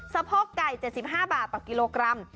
สะโพกไก่๗๕บาทต่อกิโลกรัม